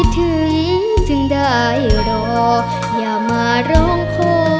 คิดถึงจึงได้หรอกอย่ามาร้องคอ